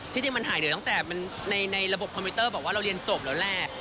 จริงมันหายเหลือตั้งแต่ในระบบคอมพิวเตอร์บอกว่าเราเรียนจบแล้วแหละ